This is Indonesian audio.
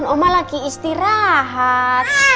omah lagi istirahat